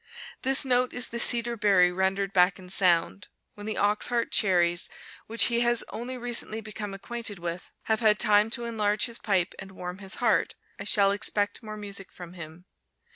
This note is the cedar berry rendered back in sound. When the ox heart cherries, which he has only recently become acquainted with, have had time to enlarge his pipe and warm his heart, I shall expect more music from him.